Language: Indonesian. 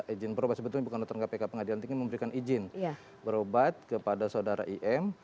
izin berobat sebetulnya bukan dokter kpk pengadilan tinggi memberikan izin berobat kepada saudara im